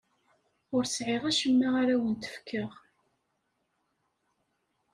Ur sɛiɣ acemma ara awent-fkeɣ.